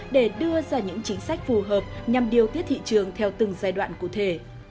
để đưa ra những chính sách phù hợp nhằm điều tiết thị trường theo từng giai đoạn cụ thể